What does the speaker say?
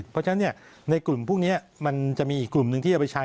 เพราะฉะนั้นในกลุ่มพวกนี้มันจะมีอีกกลุ่มหนึ่งที่จะไปใช้